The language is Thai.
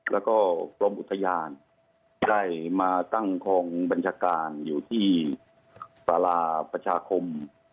แล้วก็กรมอุทยานได้มาตั้งกองบัญชาการอยู่ที่สาราประชาคม